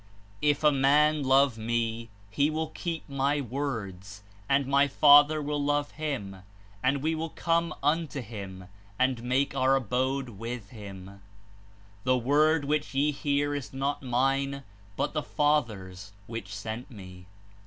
"If a man love me, he will keep my words, and my Father will love him, and we will come unto him, and make our abode with him J* "The word which ye hear is not mine, hut the Father^ s which sent me.''